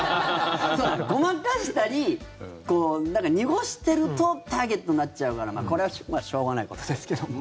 ごまかしたり濁してるとターゲットになっちゃうからこれは、まあしょうがないことですけども。